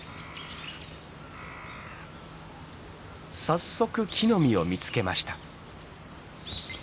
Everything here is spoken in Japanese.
早速木の実を見つけました。